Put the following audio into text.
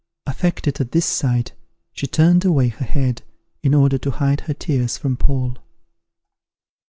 Affected at this sight, she turned away her head, in order to hide her tears from Paul.